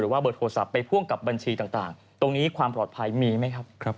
ว่าเบอร์โทรศัพท์ไปพ่วงกับบัญชีต่างตรงนี้ความปลอดภัยมีไหมครับ